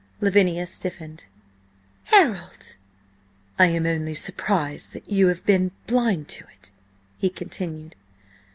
Lavinia stiffened. "Harold!" "I am only surprised that you have been blind to it," he continued.